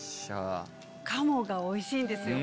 鴨がおいしいんですよ。